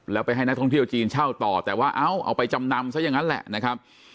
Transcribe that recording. แล้วไปให้นักท่องเที่ยวจีนเช่าต่อแต่ว่าเอาไปจำนำซะอย่างนั้นแหละนะครับ